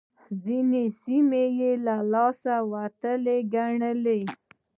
ځينې سيمې يې له لاسه وتلې ګڼلې.